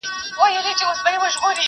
په خپل شعر او ستا په ږغ یې ویښومه،